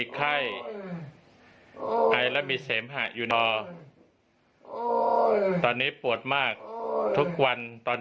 ไข้ไอและมีเสมหะอยู่นอตอนนี้ปวดมากทุกวันตอน